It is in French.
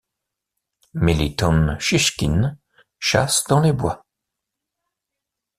Méliton Chichkine chasse dans les bois.